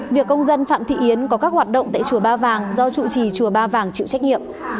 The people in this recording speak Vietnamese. việc công dân phạm thị yến có các hoạt động tại chùa ba vàng do chủ trì chùa ba vàng chịu trách nhiệm